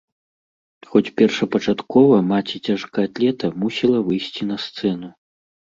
Хоць першапачаткова маці цяжкаатлета мусіла выйсці на сцэну.